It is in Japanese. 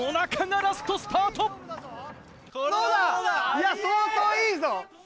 いや相当いいぞ！